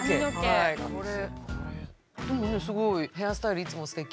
でもねすごいヘアスタイルいつもすてき。